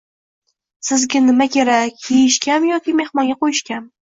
Sizga nimaga kerak – yeyishgami yoki mehmonga qo‘yishgami?